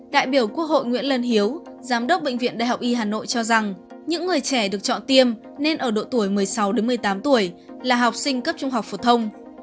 đại biểu quốc hội nguyễn lân hiếu giám đốc bệnh viện đại học y hà nội cho rằng những người trẻ được chọn tiêm nên ở độ tuổi một mươi sáu một mươi tám tuổi là học sinh cấp trung học phổ thông